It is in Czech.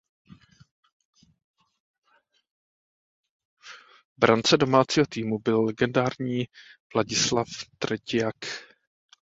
V brance domácího týmu byl legendární Vladislav Treťjak.